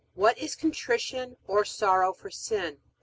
What is contrition, or sorrow for sin?